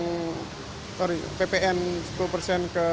kita sudah bayar pajak sih mas cuma selama ini kita enggak pernah ngutip uang